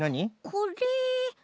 これ。